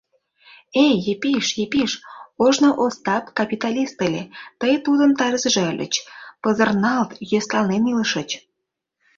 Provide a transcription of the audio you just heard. Эй, Епиш, Епиш, ожно Остап капиталист ыле, тый тудын тарзыже ыльыч, пызырналт, йӧсланен илышыч.